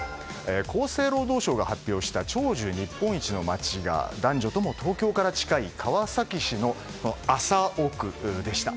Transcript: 厚生労働省が発表した長寿日本一の町が男女とも東京から近い川崎市の麻生区でした。